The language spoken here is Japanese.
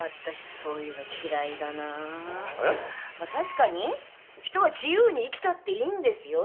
まあ確かに人は自由に生きたっていいんですよ。